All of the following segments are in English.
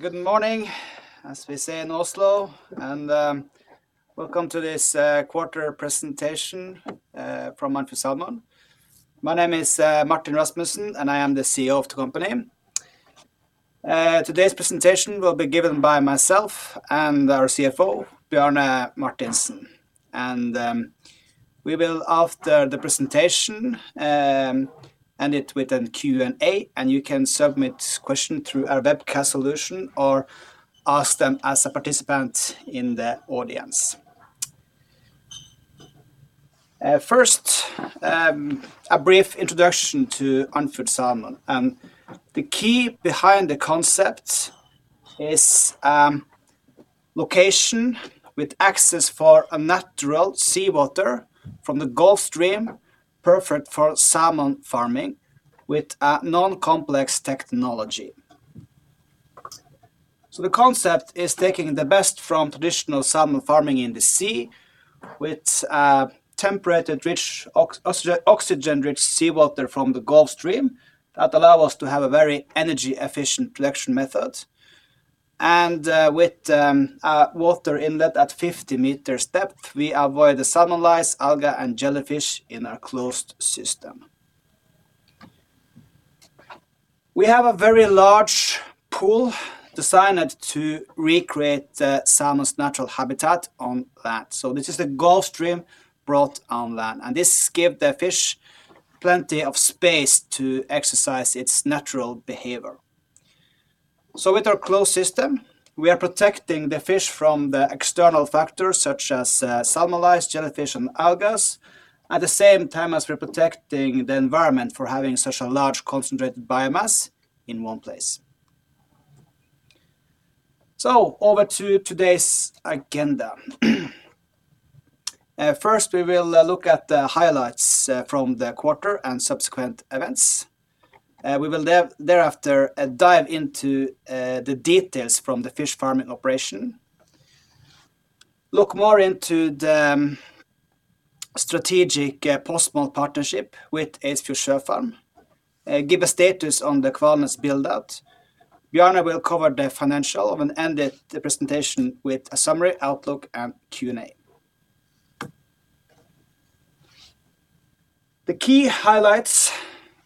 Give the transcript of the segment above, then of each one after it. Good morning, as we say in Oslo, welcome to this quarter presentation from Andfjord Salmon. My name is Martin Rasmussen, and I am the CEO of the company. Today's presentation will be given by myself and our CFO, Bjarne Martinsen. We will, after the presentation, end it with a Q&A, and you can submit questions through our webcast solution or ask them as a participant in the audience. First, a brief introduction to Andfjord Salmon. The key behind the concept is location with access for a natural seawater from the Gulf Stream, perfect for salmon farming with a non-complex technology. The concept is taking the best from traditional salmon farming in the sea, with a temperature-rich, oxygen-rich seawater from the Gulf Stream that allow us to have a very energy-efficient production method. With a water inlet at 50 m depth, we avoid the salmon lice, algae, and jellyfish in our closed system. We have a very large pool designed to recreate the salmon's natural habitat on land. This is the Gulf Stream brought on land, and this give the fish plenty of space to exercise its natural behavior. With our closed system, we are protecting the fish from the external factors such as salmon lice, jellyfish, and algae. At the same time as we're protecting the environment for having such a large concentrated biomass in one place. Over to today's agenda. First, we will look at the highlights from the quarter and subsequent events. We will thereafter dive into the details from the fish farming operation, look more into the strategic post-smolt partnership with Eidsfjord Sjøfarm, give a status on the Kvalnes build out. Bjarne will cover the financial, and end the presentation with a summary outlook and Q&A. The key highlights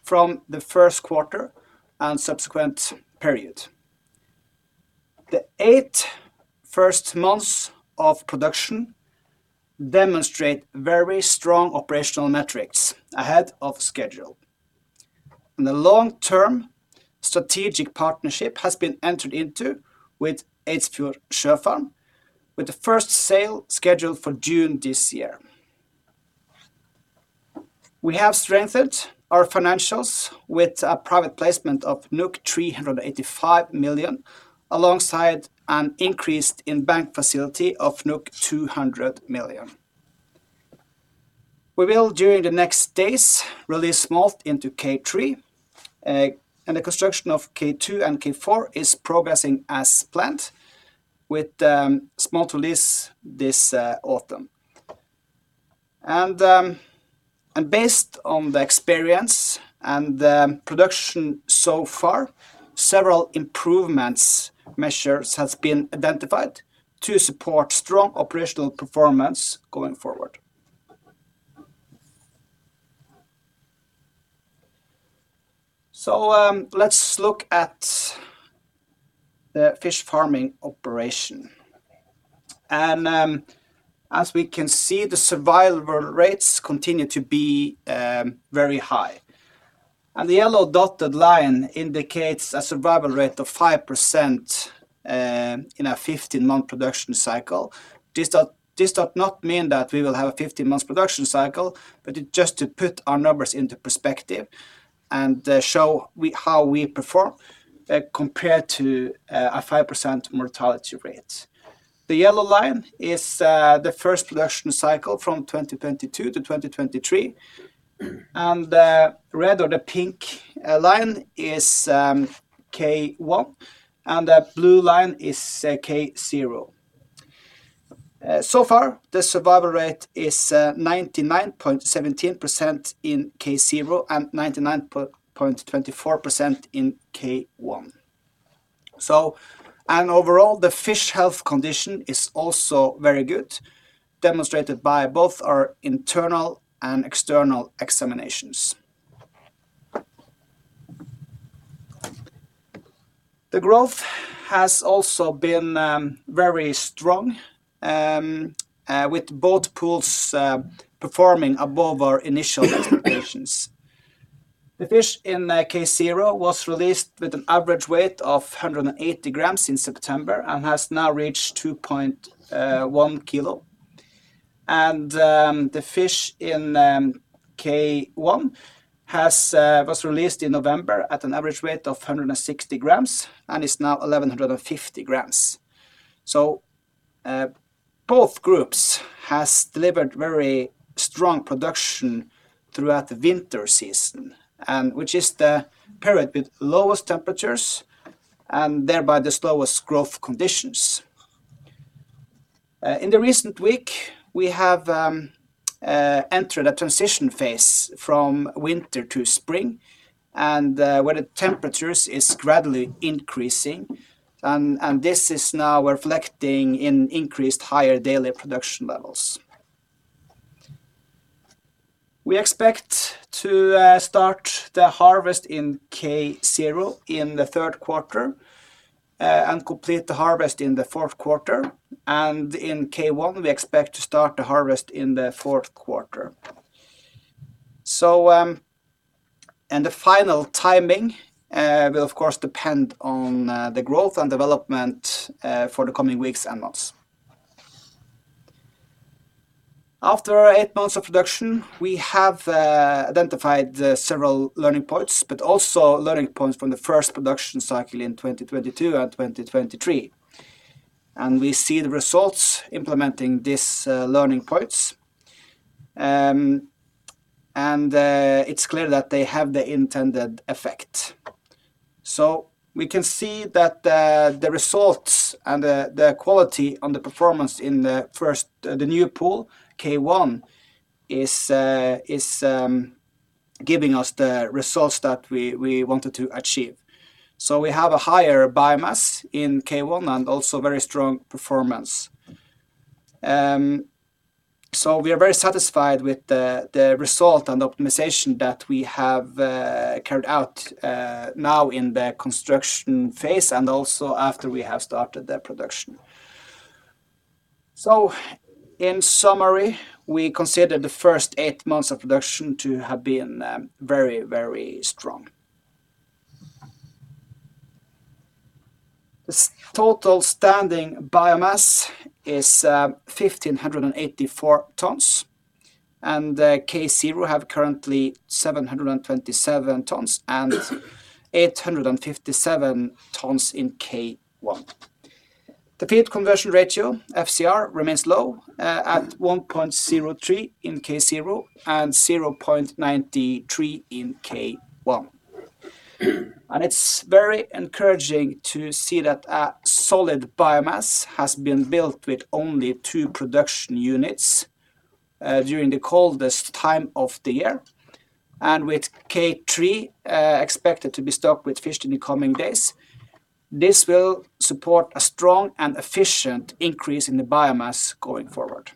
from the first quarter and subsequent period. The eight first months of production demonstrate very strong operational metrics ahead of schedule. The long-term strategic partnership has been entered into with Eidsfjord Sjøfarm, with the first sale scheduled for June this year. We have strengthened our financials with a private placement of 385 million, alongside an increase in bank facility of 200 million. We will, during the next days, release smolt into K3. The construction of K2 and K4 is progressing as planned, with smolt release this autumn. Based on the experience and the production so far, several improvements measures has been identified to support strong operational performance going forward. Let's look at the fish farming operation. As we can see, the survival rates continue to be very high. The yellow dotted line indicates a survival rate of 5% in a 15-month production cycle. This does not mean that we will have a 15 months production cycle, but just to put our numbers into perspective and show how we perform compared to a 5% mortality rate. The yellow line is the first production cycle from 2022-2023. The red or the pink line is K1, and the blue line is K0. So far, the survival rate is 99.17% in K0 and 99.24% in K1. Overall, the fish health condition is also very good, demonstrated by both our internal and external examinations. The growth has also been very strong, with both pools performing above our initial expectations. The fish in K0 was released with an average weight of 180 g in September and has now reached 2.1 kg. The fish in K1 was released in November at an average weight of 160 g and is now 1,150 g. Both groups has delivered very strong production throughout the winter season, and which is the period with lowest temperatures and thereby the slowest growth conditions. In the recent week, we have entered a transition phase from winter to spring, and where the temperatures is gradually increasing. This is now reflecting in increased higher daily production levels. We expect to start the harvest in K0 in the third quarter, and complete the harvest in the fourth quarter, and in K1, we expect to start the harvest in the fourth quarter. The final timing will of course depend on the growth and development for the coming weeks and months. After eight months of production, we have identified several learning points, but also learning points from the first production cycle in 2022 and 2023. We see the results implementing these learning points. It's clear that they have the intended effect. We can see that the results and the quality on the performance in the new pool, K1, is giving us the results that we wanted to achieve. We have a higher biomass in K1 and also very strong performance. We are very satisfied with the result and optimization that we have carried out now in the construction phase and also after we have started the production. In summary, we consider the first eight months of production to have been very strong. The total standing biomass is 1,584 tons, and K0 have currently 727 tons, and 857 tons in K1. The Feed conversion ratio, FCR, remains low at 1.03 in K0 and 0.93 in K1. It's very encouraging to see that a solid biomass has been built with only two production units, during the coldest time of the year. With K3 expected to be stocked with fish in the coming days, this will support a strong and efficient increase in the biomass going forward.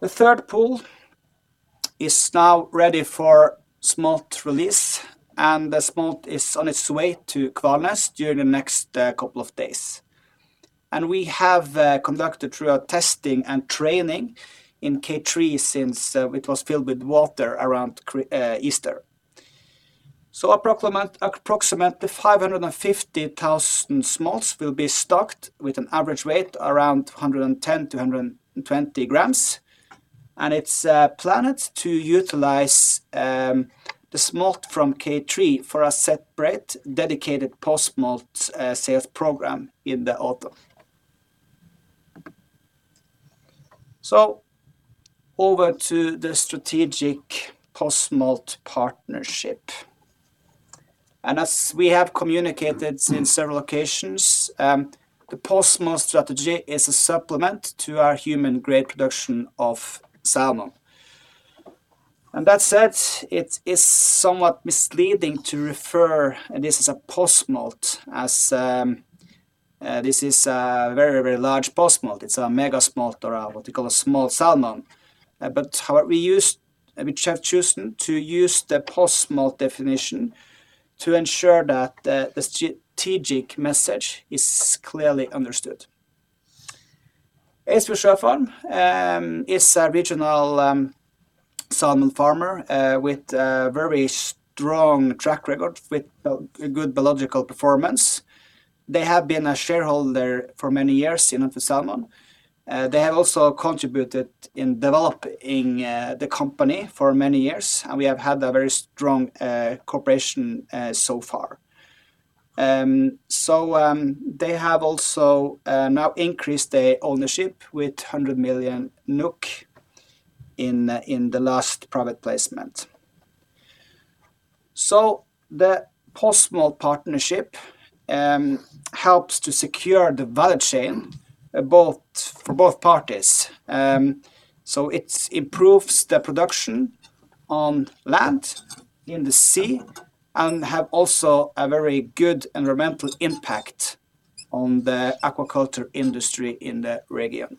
The third pool is now ready for smolt release, and the smolt is on its way to Kvalnes during the next couple of days. We have conducted throughout testing and training in K3 since it was filled with water around Easter. Approximately 550,000 smolts will be stocked with an average weight around 110 g-120 g. It's planned to utilize the smolt from K3 for a separate dedicated post-smolt sales program in the autumn. Over to the strategic post-smolt partnership. As we have communicated in several occasions, the post-smolt strategy is a supplement to our human grade production of salmon. That said, it is somewhat misleading to refer this as a post-smolt as this is a very large post-smolt. It's a mega smolt or what we call a small salmon. We have chosen to use the post-smolt definition to ensure that the strategic message is clearly understood. Eidsfjord Sjøfarm is a regional salmon farmer with a very strong track record with a good biological performance. They have been a shareholder for many years in Andfjord Salmon. They have also contributed in developing the company for many years, and we have had a very strong cooperation so far. They have also now increased their ownership with 100 million NOK in the last private placement. The post-smolt partnership helps to secure the value chain for both parties. It improves the production on land, in the sea, and have also a very good environmental impact on the aquaculture industry in the region.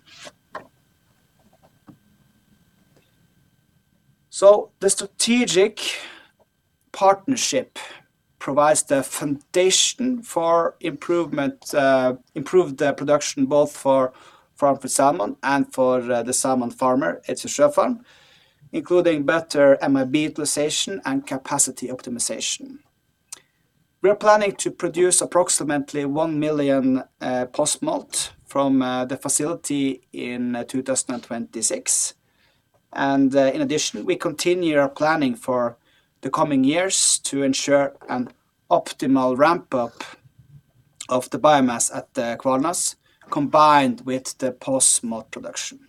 The strategic partnership provides the foundation for improved production both for Andfjord Salmon and for the salmon farmer, Eidsfjord Sjøfarm, including better MAB utilization and capacity optimization. We are planning to produce approximately 1 million post-smolt from the facility in 2026. In addition, we continue our planning for the coming years to ensure an optimal ramp-up of the biomass at Kvalnes, combined with the post-smolt production.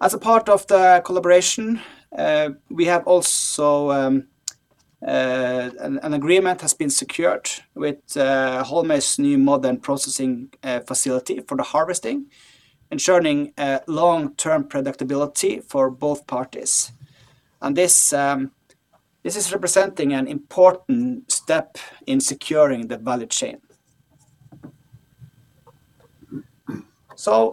As a part of the collaboration, an agreement has been secured with Holmøy's new modern processing facility for the harvesting, ensuring long-term predictability for both parties. This is representing an important step in securing the value chain.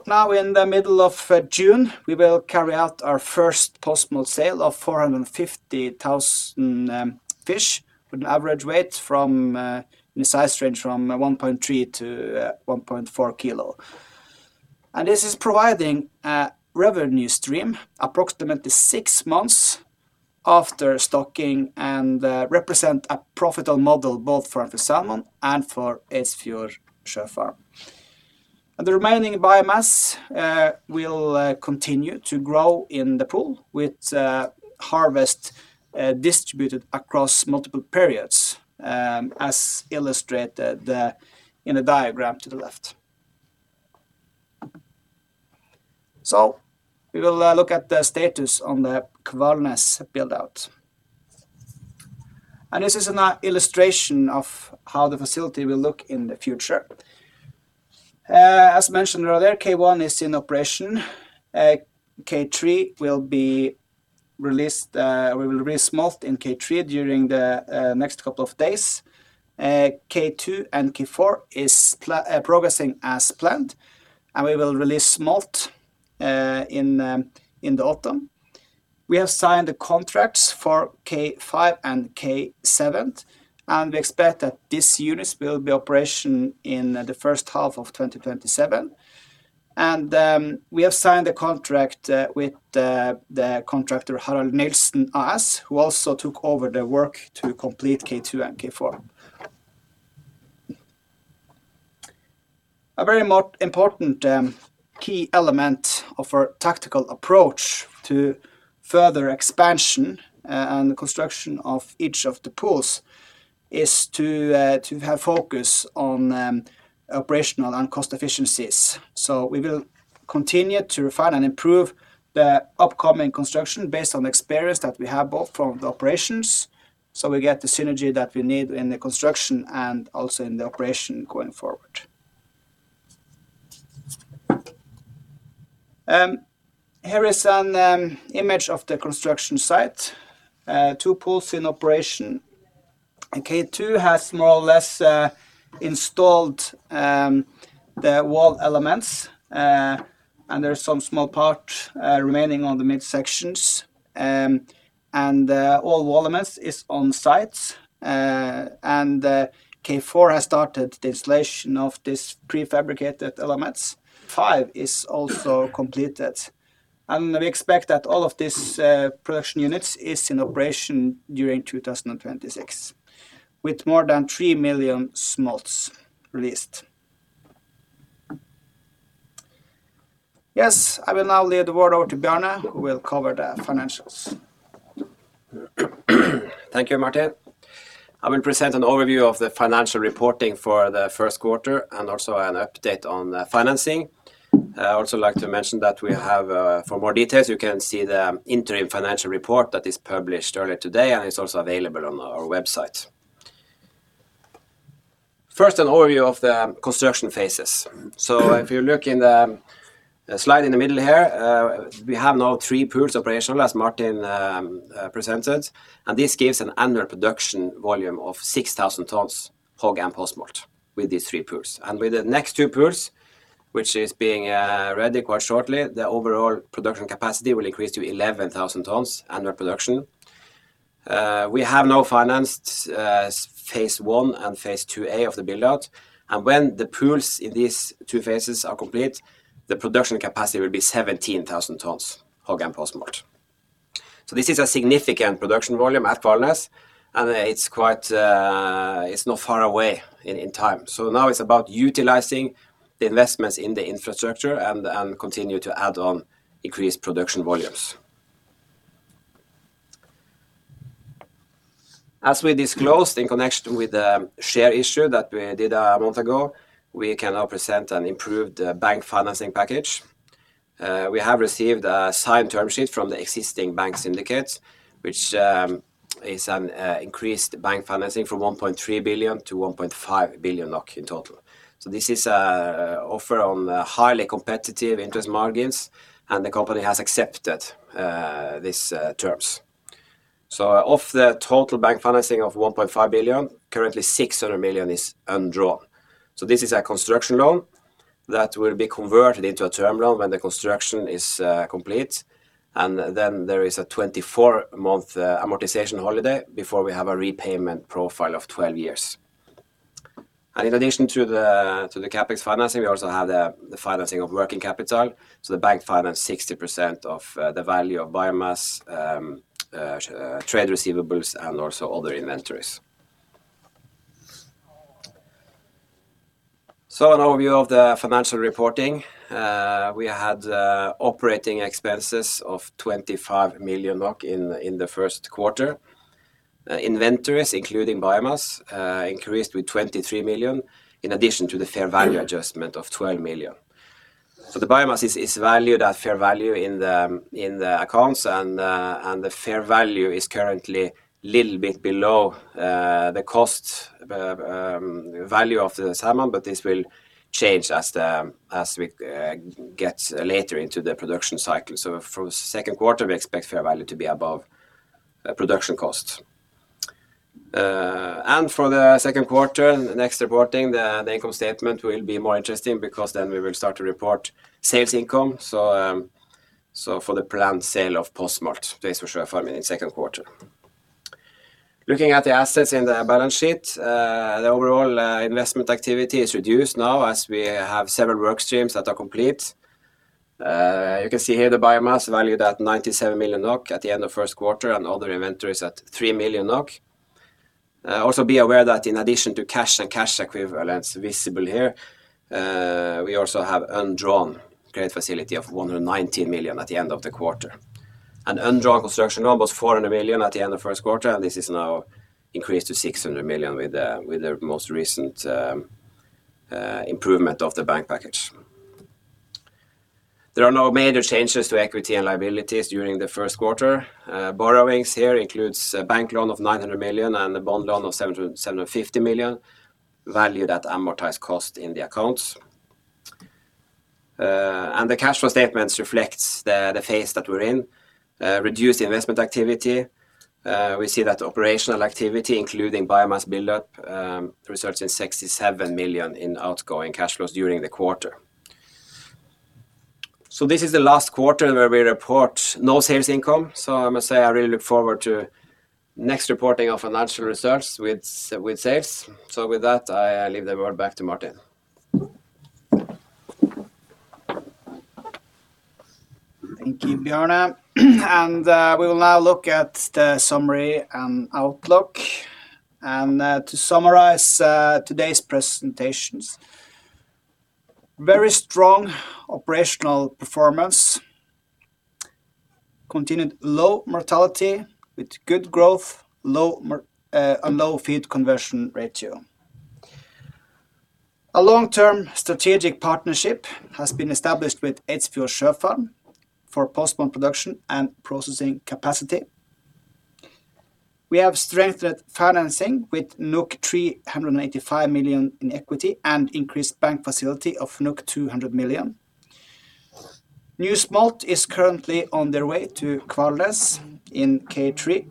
Now in the middle of June, we will carry out our first post-smolt sale of 450,000 fish with an average weight from a size range from 1.3 kg-1.4 kg. This is providing a revenue stream approximately six months after stocking and represent a profitable model both for Andfjord Salmon and for Eidsfjord Sjøfarm. The remaining biomass will continue to grow in the pool with harvest distributed across multiple periods, as illustrated in the diagram to the left. We will look at the status on the Kvalnes build-out. This is an illustration of how the facility will look in the future. As mentioned earlier, K1 is in operation. We will release smolt in K3 during the next couple of days. K2 and K4 is progressing as planned, and we will release smolt in the autumn. We have signed the contracts for K5 and K7, and we expect that these units will be in operation in the first half of 2027. We have signed a contract with the contractor Harald Nilsen AS, who also took over the work to complete K2 and K4. A very important key element of our tactical approach to further expansion and the construction of each of the pools is to have focus on operational and cost efficiencies. We will continue to refine and improve the upcoming construction based on experience that we have both from the operations. We get the synergy that we need in the construction and also in the operation going forward. Here is an image of the construction site. Two pools in operation. K2 has more or less installed the wall elements. There's some small part remaining on the midsections. All wall elements is on site. K4 has started the installation of these prefabricated elements. K5 is also completed. We expect that all of these production units is in operation during 2026, with more than 3 million smolts released. Yes, I will now hand the word over to Bjarne, who will cover the financials. Thank you, Martin. I will present an overview of the financial reporting for the first quarter and also an update on the financing. I also like to mention that for more details, you can see the interim financial report that is published earlier today, and it's also available on our website. First, an overview of the construction phases. If you look in the slide in the middle here, we have now three pools operational, as Martin presented, and this gives an annual production volume of 6,000 tons HOG and post-smolt with these three pools. With the next two pools, which is being ready quite shortly, the overall production capacity will increase to 11,000 tons annual production. We have now financed phase I and Phase II-A of the build-out. When the pools in these two phases are complete, the production capacity will be 17,000 tons HOG and post-smolt. This is a significant production volume at Kvalnes, and it's not far away in time. Now it's about utilizing the investments in the infrastructure and continue to add on increased production volumes. As we disclosed in connection with the share issue that we did a month ago, we can now present an improved bank financing package. We have received a signed term sheet from the existing bank syndicate, which is an increased bank financing from 1.3 billion-1.5 billion in total. This is an offer on highly competitive interest margins, and the company has accepted these terms. Of the total bank financing of 1.5 billion, currently 600 million is undrawn. This is a construction loan that will be converted into a term loan when the construction is complete. There is a 24-month amortization holiday before we have a repayment profile of 12 years. In addition to the CapEx financing, we also have the financing of working capital. The bank financed 60% of the value of biomass, trade receivables and also other inventories. An overview of the financial reporting. We had operating expenses of 25 million in the first quarter. Inventories, including biomass, increased with 23 million, in addition to the fair value adjustment of 12 million. The biomass is valued at fair value in the accounts, and the fair value is currently a little bit below the cost value of the salmon, but this will change as we get later into the production cycle. For the second quarter, we expect fair value to be above production cost. For the second quarter, next reporting, the income statement will be more interesting because then we will start to report sales income. For the planned sale of post-smolt raised for Eidsfjord Sjøfarm in the second quarter. Looking at the assets in the balance sheet, the overall investment activity is reduced now as we have several work streams that are complete. You can see here the biomass valued at 97 million NOK at the end of first quarter and other inventories at 3 million NOK. Also be aware that in addition to cash and cash equivalents visible here, we also have undrawn credit facility of 119 million at the end of the quarter. Undrawn construction loan was 400 million at the end of first quarter, and this is now increased to 600 million with the most recent improvement of the bank package. There are no major changes to equity and liabilities during the first quarter. Borrowings here includes a bank loan of 900 million and a bond loan of 750 million, valued at amortized cost in the accounts. The cash flow statements reflects the phase that we're in. Reduced investment activity. We see that operational activity, including biomass buildup, results in 67 million in outgoing cash flows during the quarter. This is the last quarter where we report no sales income. I must say I really look forward to next reporting of financial results with sales. With that, I leave the word back to Martin. Thank you, Bjarne Martinsen. We will now look at the summary and outlook. To summarize today's presentations, very strong operational performance. Continued low mortality with good growth, and low feed conversion ratio. A long-term strategic partnership has been established with Eidsfjord Sjøfarm for post-smolt production and processing capacity. We have strengthened financing with 385 million in equity and increased bank facility of 200 million. New smolt is currently on their way to Kvalnes in K3.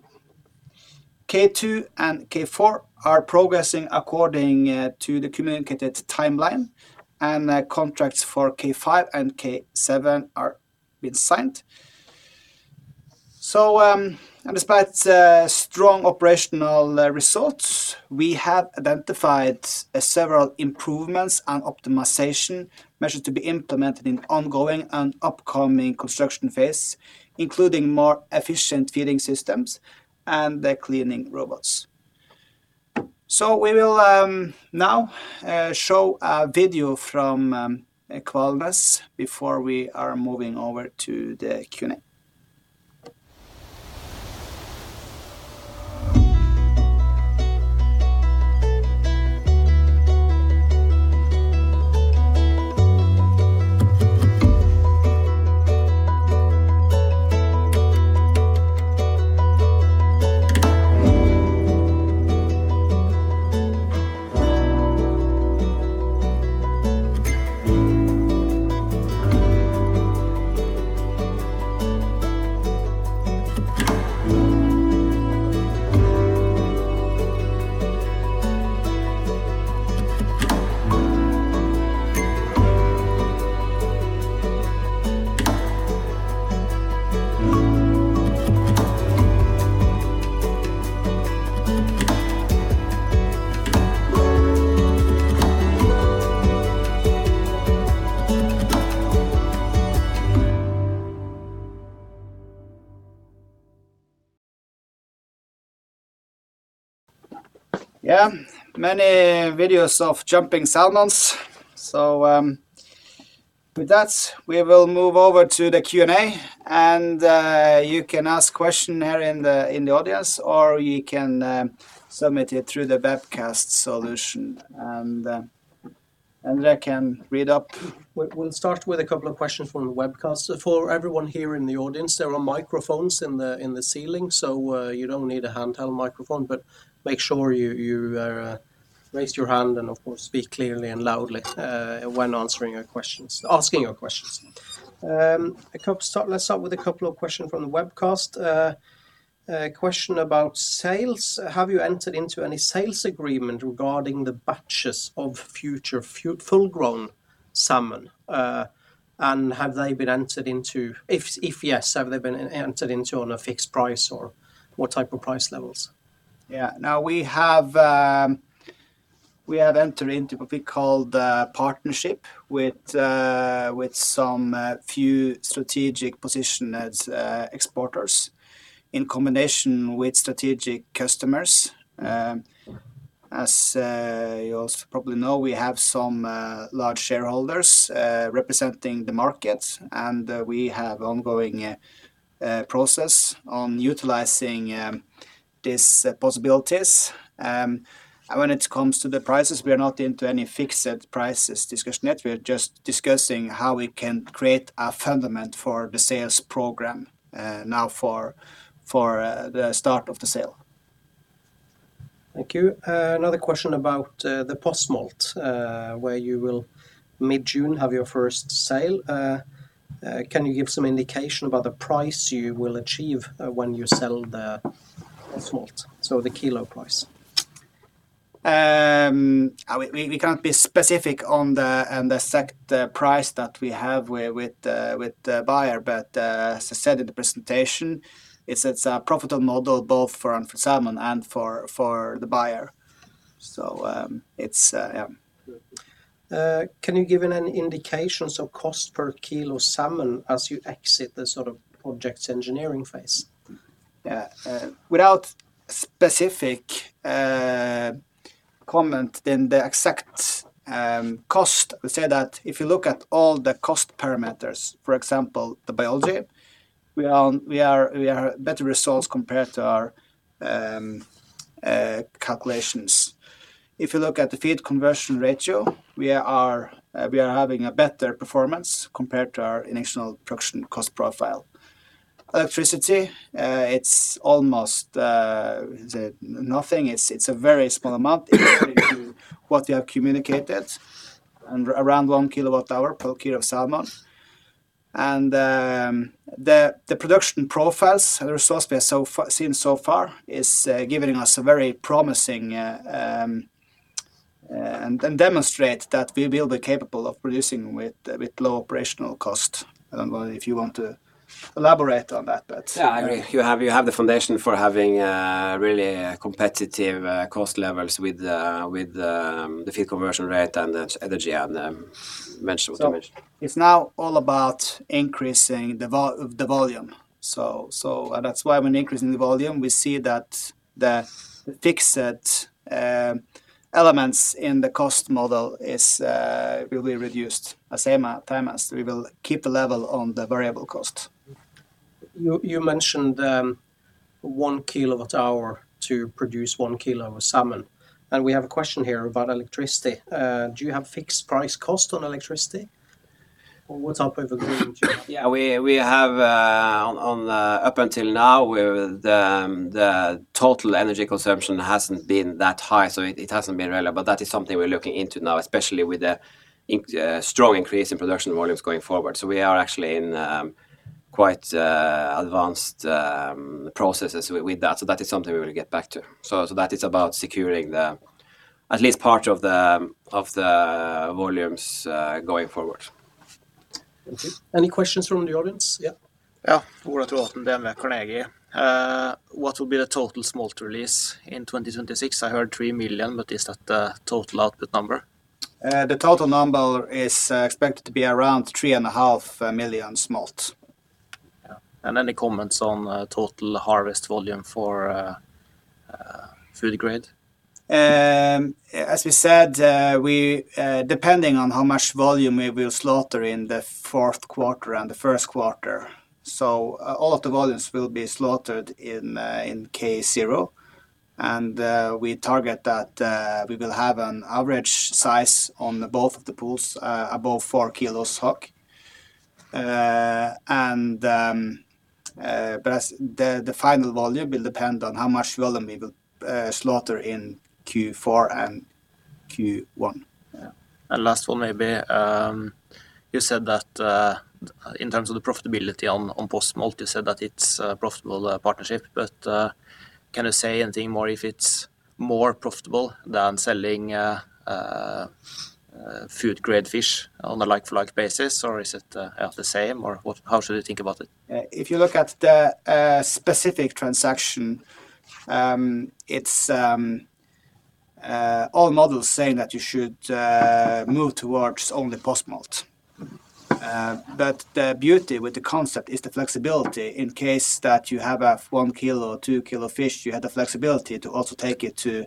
K2 and K4 are progressing according to the communicated timeline, and contracts for K5 and K7 are being signed. Despite strong operational results, we have identified several improvements and optimization measures to be implemented in ongoing and upcoming construction phases, including more efficient feeding systems and the cleaning robots. We will now show a video from Kvalnes before we are moving over to the Q&A. Yeah, many videos of jumping salmons. With that, we will move over to the Q&A, and you can ask question here in the audience, or you can submit it through the webcast solution. I can read up. We'll start with a couple of questions from the webcast. For everyone here in the audience, there are microphones in the ceiling, so you don't need a handheld microphone, but make sure you raise your hand and of course, speak clearly and loudly when asking your questions. Let's start with a couple of questions from the webcast. A question about sales. Have you entered into any sales agreement regarding the batches of future full-grown salmon? If yes, have they been entered into on a fixed price or what type of price levels? No, we have entered into what we call the partnership with some few strategic position as exporters in combination with strategic customers. As you also probably know, we have some large shareholders representing the market, and we have ongoing process on utilizing these possibilities. When it comes to the prices, we are not into any fixed prices discussion yet. We are just discussing how we can create a fundament for the sales program now for the start of the sale. Thank you. Another question about the post-smolt, where you will mid-June have your first sale. Can you give some indication about the price you will achieve when you sell the smolt, so the kilo price? We can't be specific on the exact price that we have with the buyer, but as I said in the presentation, it's a profitable model both for Andfjord Salmon and for the buyer. Can you give an indication, so cost per kilo salmon as you exit the sort of projects engineering phase? Yeah. Without specific comment in the exact cost, I would say that if you look at all the cost parameters, for example, the biology, we are better results compared to our calculations. If you look at the feed conversion ratio, we are having a better performance compared to our initial production cost profile. Electricity, it's almost nothing. It's a very small amount compared to what we have communicated, and around 1 kWh/kg of salmon. The production profiles and the results we have seen so far is giving us a very promising, and demonstrate that we will be capable of producing with low operational cost. I don't know if you want to elaborate on that. Yeah, I agree. You have the foundation for having really competitive cost levels with the feed conversion rate and the energy, and mentioned what you mentioned. It's now all about increasing the volume. That's why when increasing the volume, we see that the fixed elements in the cost model will be reduced the same time as we will keep the level on the variable cost. You mentioned 1 kWh to produce 1kg of salmon, and we have a question here about electricity. Do you have fixed price cost on electricity? What type of agreement do you have? Yeah, up until now, the total energy consumption hasn't been that high, so it hasn't been relevant. That is something we're looking into now, especially with the strong increase in production volumes going forward. We are actually in quite advanced processes with that. That is something we will get back to. That is about securing at least part of the volumes going forward. Thank you. Any questions from the audience? Yeah. Yeah. Ole Traaen, DNB Carnegie. What will be the total smolt release in 2026? I heard 3 million, but is that the total output number? The total number is expected to be around 3.5 million smolt. Yeah. Any comments on total harvest volume for food grade? As we said, depending on how much volume we will slaughter in the fourth quarter and the first quarter. All of the volumes will be slaughtered in K0. We target that we will have an average size on both of the pools above 4 kg HOG. As the final volume will depend on how much volume we will slaughter in Q4 and Q1. Yeah. Last one maybe. You said that in terms of the profitability on post-smolt, you said that it's a profitable partnership, but can you say anything more if it's more profitable than selling food-grade fish on a like-for-like basis? Is it the same? How should I think about it? You look at the specific transaction, all models saying that you should move towards only post-smolt. The beauty with the concept is the flexibility in case that you have 1 kg or 2 kg fish, you have the flexibility to also take it to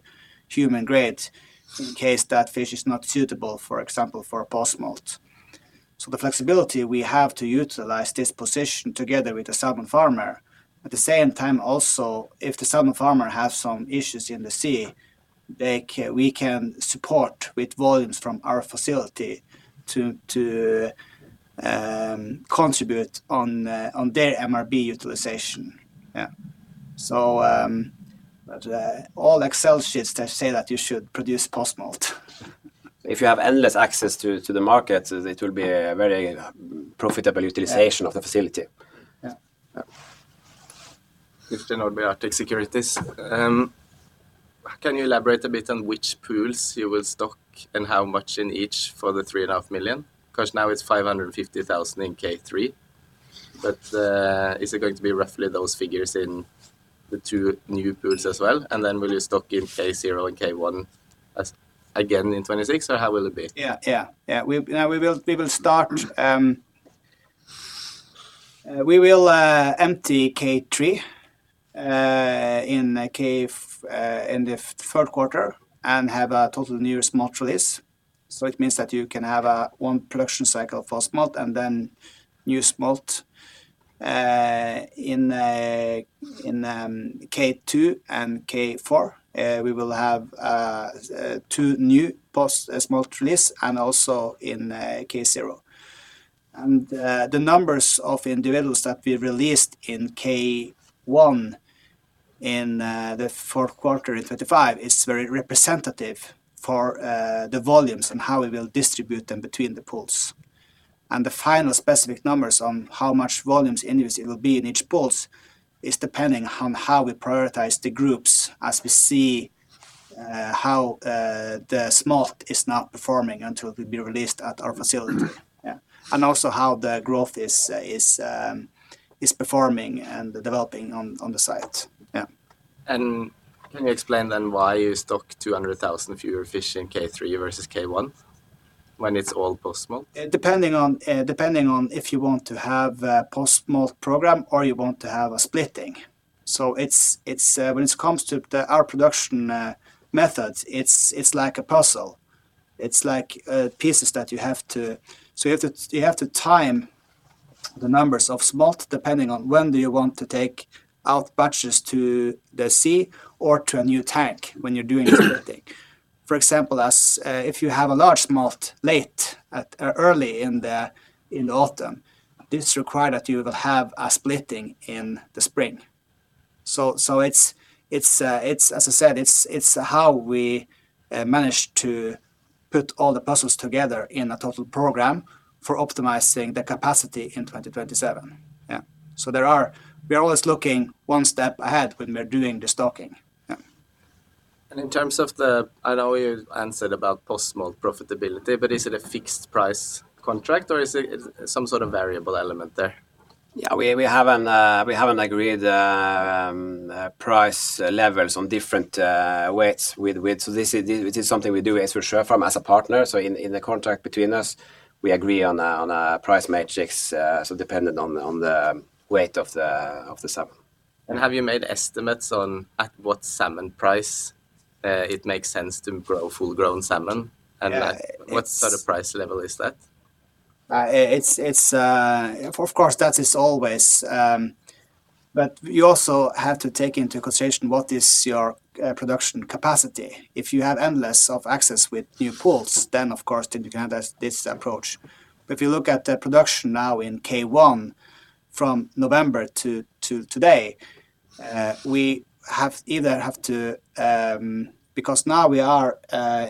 human grade in case that fish is not suitable, for example, for post-smolt. The flexibility we have to utilize this position together with the salmon farmer, at the same time also, if the salmon farmer have some issues in the sea, we can support with volumes from our facility to contribute on their MAB utilization. Yeah. All Excel sheets that say that you should produce post-smolt. If you have endless access to the markets, it will be a very profitable utilization of the facility. Yeah. Yeah. Christian Orbé, Arctic Securities. Can you elaborate a bit on which pools you will stock and how much in each for the 3.5 Million? Now it's 550,000 in K3, but is it going to be roughly those figures in the two new pools as well? Will you stock in K0 and K1 again in 2026? How will it be? We will empty K3 in the third quarter and have a total new smolt release. It means that you can have one production cycle for smolt and then new smolt in K2 and K4. We will have two new post-smolt release and also in K0. The numbers of individuals that we released in K1 in the fourth quarter in 2025 is very representative for the volumes and how we will distribute them between the pools. The final specific numbers on how much volumes individually will be in each pools is depending on how we prioritize the groups as we see how the smolt is now performing until it will be released at our facility. Also how the growth is performing and developing on the site. Can you explain then why you stock 200,000 of your fish in K3 versus K1 when it's all post-smolt? Depending on if you want to have a post-smolt program or you want to have a splitting. When it comes to our production methods, it's like a puzzle. It's like pieces that you have to time the numbers of smolt depending on when do you want to take out batches to the sea or to a new tank when you're doing splitting. For example, if you have a large smolt early in the autumn, this require that you will have a splitting in the spring. As I said, it's how we manage to put all the puzzles together in a total program for optimizing the capacity in 2027. Yeah. We are always looking one step ahead when we're doing the stocking. Yeah. In terms of the, I know you answered about post-smolt profitability, but is it a fixed price contract or is it some sort of variable element there? Yeah, we haven't agreed price levels on different weights. This is something we do as with Eidsfjord Sjøfarm as a partner. In the contract between us, we agree on a price matrix, so dependent on the weight of the salmon. Have you made estimates on at what salmon price it makes sense to grow full-grown salmon? Yeah. What sort of price level is that? You also have to take into consideration what is your production capacity. If you have endless of access with new pools, then of course then you can have this approach. If you look at the production now in K1 from November to today, because now we are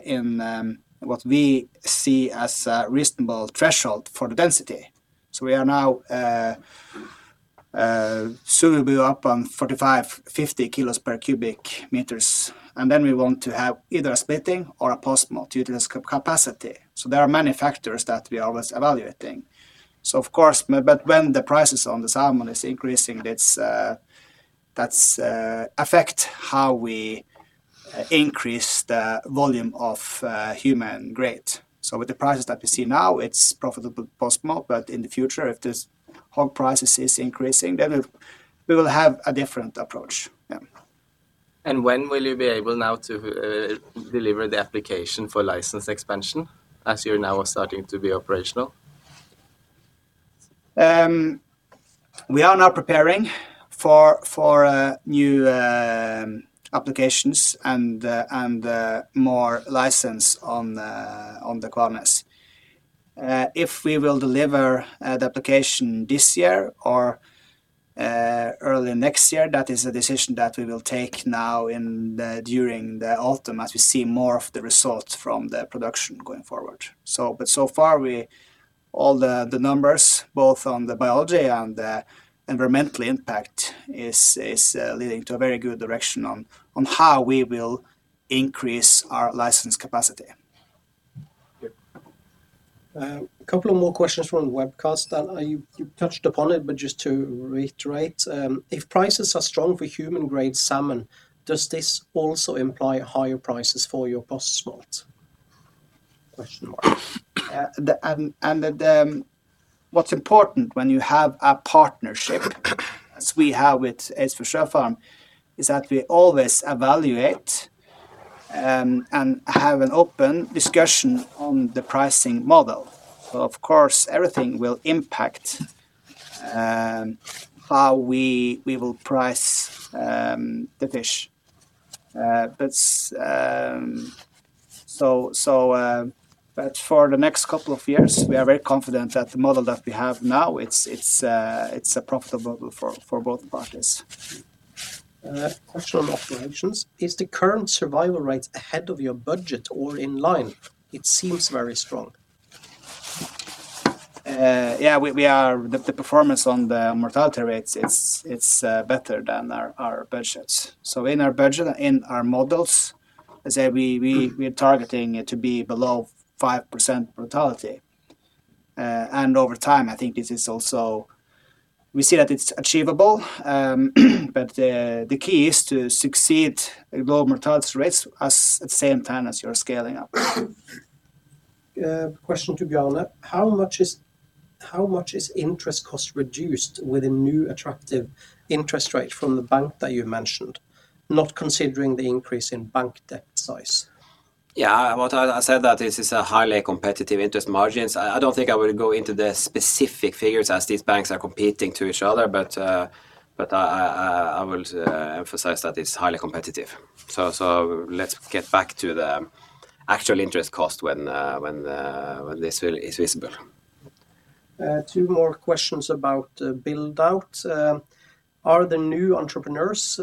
in what we see as a reasonable threshold for the density. Soon we'll be up on 45 kg, 50 kg/cu m, and then we want to have either a splitting or a post-smolt due to the capacity. There are many factors that we are always evaluating. Of course, but when the prices on the salmon is increasing, that affect how we increase the volume of human grade. With the prices that we see now, it's profitable post-smolt, but in the future, if this whole prices is increasing, then we will have a different approach. Yeah. When will you be able now to deliver the application for license expansion as you're now starting to be operational? We are now preparing for new applications and more license on the Kvalnes. If we will deliver the application this year or early next year, that is a decision that we will take now during the autumn as we see more of the results from the production going forward. So far, all the numbers, both on the biology and the environmental impact, is leading to a very good direction on how we will increase our license capacity. Yeah. A couple of more questions from the webcast. You touched upon it, just to reiterate, if prices are strong for human-grade salmon, does this also imply higher prices for your post-smolt? What's important when you have a partnership, as we have with Eidsfjord Sjøfarm, is that we always evaluate and have an open discussion on the pricing model. Of course, everything will impact how we will price the fish. For the next couple of years, we are very confident that the model that we have now, it's profitable for both parties. Question on operations. Is the current survival rates ahead of your budget or in line? It seems very strong. Yeah. The performance on the mortality rates, it's better than our budgets. In our models, as I say, we are targeting it to be below 5% mortality. Over time, we see that it's achievable, but the key is to succeed low mortality rates at the same time as you're scaling up. Question to Bjarne. How much is interest cost reduced with a new attractive interest rate from the bank that you mentioned, not considering the increase in bank debt size? Yeah. What I said that this is a highly competitive interest margins. I don't think I will go into the specific figures as these banks are competing to each other, but I will emphasize that it's highly competitive. Let's get back to the actual interest cost when this is visible. Two more questions about build out. Are the new entrepreneurs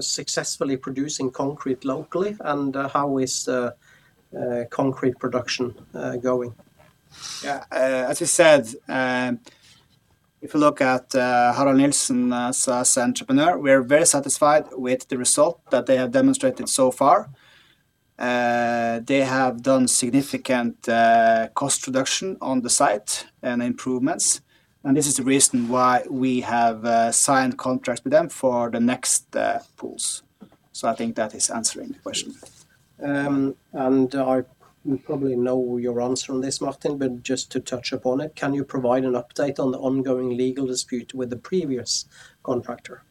successfully producing concrete locally? How is concrete production going? As you said, if you look at Harald Nilsen as entrepreneur, we are very satisfied with the result that they have demonstrated so far. They have done significant cost reduction on the site and improvements, and this is the reason why we have signed contracts with them for the next pools. I think that is answering the question. I probably know your answer on this, Martin, but just to touch upon it, can you provide an update on the ongoing legal dispute with the previous contractor?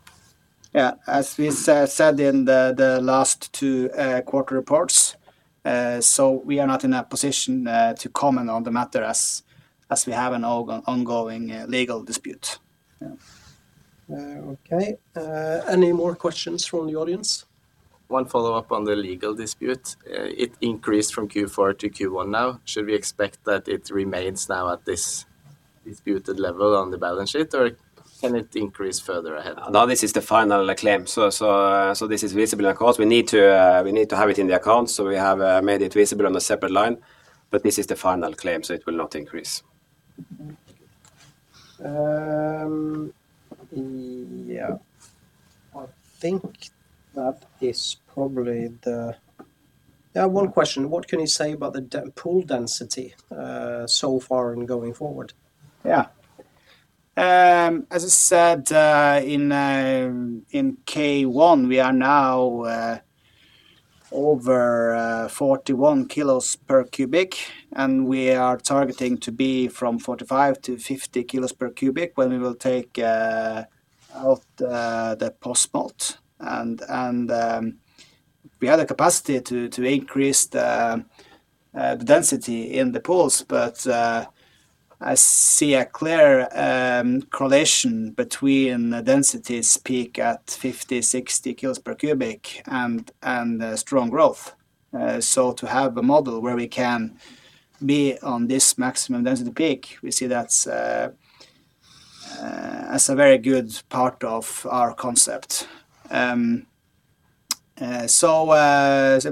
Yeah. As we said in the last two quarter reports, we are not in a position to comment on the matter as we have an ongoing legal dispute. Yeah. Okay. Any more questions from the audience? One follow-up on the legal dispute. It increased from Q4-Q1 now. Should we expect that it remains now at this disputed level on the balance sheet, or can it increase further ahead? This is the final claim. This is visible in our costs. We need to have it in the account, so we have made it visible on a separate line, but this is the final claim, so it will not increase. Yeah. I think that is probably the one question. What can you say about the pool density so far and going forward? Yeah. As I said, in K1, we are now over 41 kg/cu m, and we are targeting to be from 45 kg-50 kg/cu when we will take out the post-smolt. We have the capacity to increase the density in the pools, but I see a clear correlation between the densities peak at 50 kg-60 kg/cu m and strong growth. To have a model where we can be on this maximum density peak, we see that's a very good part of our concept. We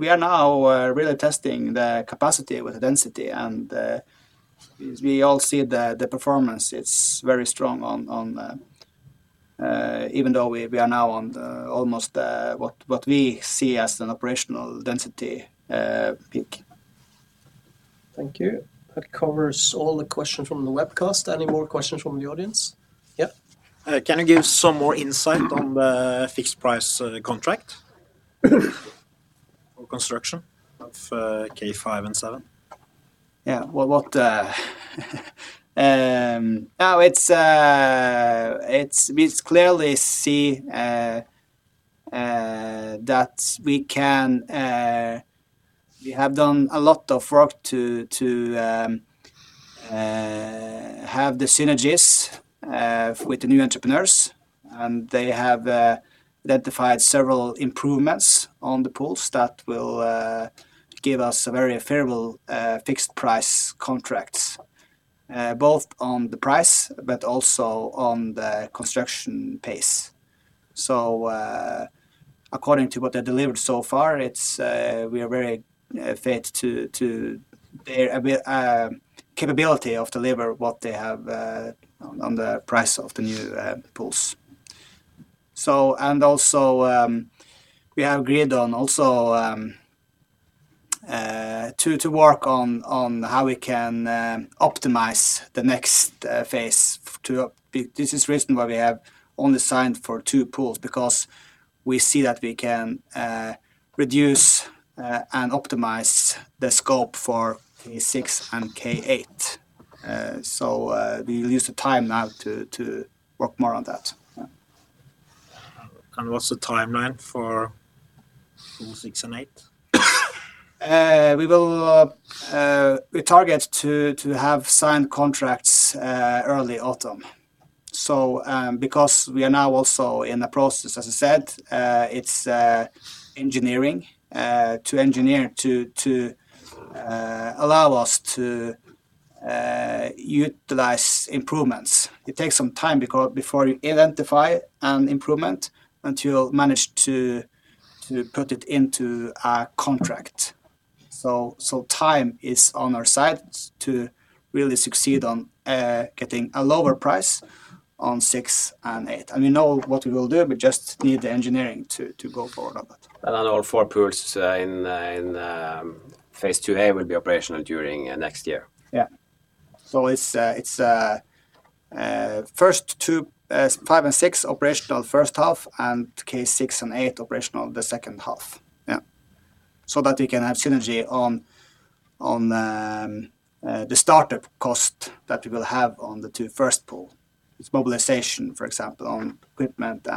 are now really testing the capacity with the density, and we all see the performance. It's very strong even though we are now on almost what we see as an operational density peak. Thank you. That covers all the questions from the webcast. Any more questions from the audience? Yeah. Can you give some more insight on the fixed price contract for construction of K5 and K7? Yeah. We clearly see that we have done a lot of work to have the synergies with the new entrepreneurs, and they have identified several improvements on the pools that will give us a very favorable fixed price contracts. Both on the price, but also on the construction pace. According to what they delivered so far, we are very fit to their capability of deliver what they have on the price of the new pools. Also, we have agreed on also to work on how we can optimize the next phase. This is the reason why we have only signed for two pools because we see that we can reduce and optimize the scope for K6 and K8. We will use the time now to work more on that. Yeah. What's the timeline for pools six and eight? We target to have signed contracts early autumn. We are now also in the process, as I said, it's engineering. To engineer to allow us to utilize improvements. It takes some time before you identify an improvement until you manage to put it into a contract. Time is on our side to really succeed on getting a lower price on six and eight. We know what we will do, we just need the engineering to go forward on that. All four pools in phase II-A will be operational during next year. It's first two, five and six operational first half and K6 and 8 operational the second half. That we can have synergy on the startup cost that we will have on the two first pool. It's mobilization, for example, on equipment.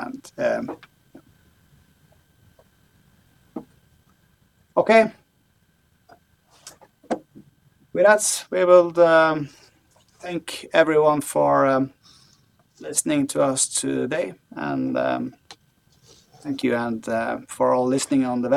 Okay. With that, we will thank everyone for listening to us today, and thank you for all listening on the web.